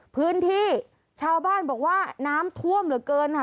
พื้นที่ชาวบ้านบอกว่าน้ำท่วมเหลือเกินค่ะ